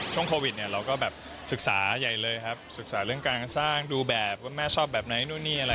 โอ้โหซุ่มเงียบแบบนี้จะบ้านหลังใหญ่หลังโตขนาดไหนคะเนี่ยน้องน้ายค่ะ